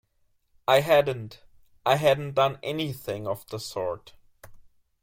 I hadn't; I hadn't done anything of the sort.